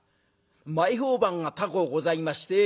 前評判が高うございましてまあ